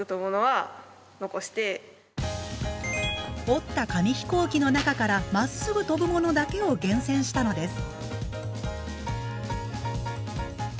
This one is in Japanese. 折った紙飛行機の中からまっすぐ飛ぶものだけを厳選したのです。